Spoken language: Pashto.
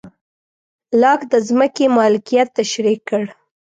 لاک د ځمکې مالکیت تشرېح کړ.